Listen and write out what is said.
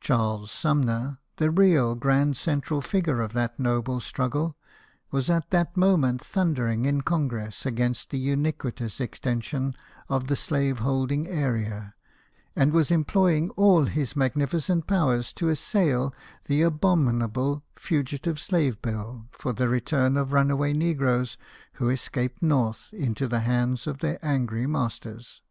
Charles Sumner, the real grand central figure of that noble struggle, was at that moment thundering in Congress against the iniquitous extension of the slave holding area, and was employing all his magnificent powers to assail the abominable Fugitive Slave Bill, for the return of runaway negroes, who escaped north, into the hands of their angry masters.